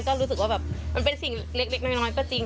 ก็รู้สึกว่าแบบมันเป็นสิ่งเล็กน้อยก็จริง